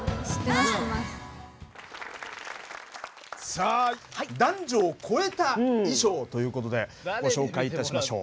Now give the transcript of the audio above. さあ男女を越えた衣装ということでご紹介いたしましょう。